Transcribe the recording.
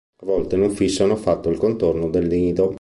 A volte non fissano affatto il contorno del nido.